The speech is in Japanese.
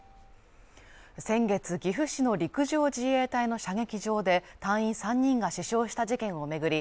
先月岐阜市の陸上自衛隊の射撃場で隊員３人が死傷した事件を巡り